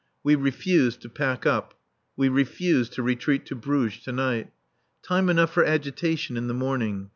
We refuse to pack up. We refuse to retreat to Bruges to night. Time enough for agitation in the morning.